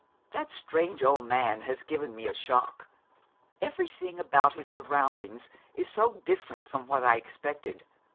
'That strange old man has given me a shock. Everything about his surroundings is so different from what I expected.